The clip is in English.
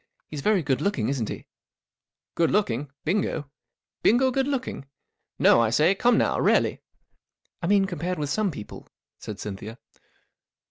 He's very good looking, isn't he ?" 41 Good looking ? Bingo ? Bingo good looking ? No, I say, come now, really !" 44 I mean, compared with some people," said Cynthia.